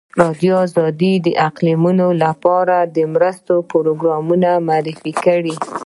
ازادي راډیو د اقلیتونه لپاره د مرستو پروګرامونه معرفي کړي.